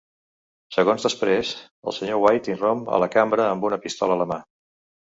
Segons després, el Sr. White irromp a la cambra amb una pistola a la mà.